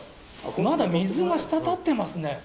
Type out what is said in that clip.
まだ水が滴ってますね。